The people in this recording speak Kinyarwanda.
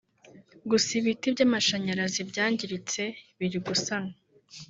gusa ibiti by’amashanyarazi byangiritse birigusanwa